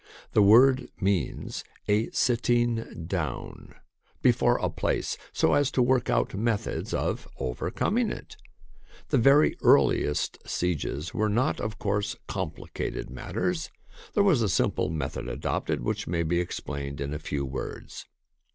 The word means " a sitting down " before a place, so as to work out methods of overcoming it. The very earliest sieges were not, of course, complicated matters. There was a simple method adopted, which may be explained in a few words.